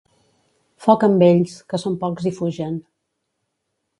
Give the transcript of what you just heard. Foc amb ells, que són pocs i fugen.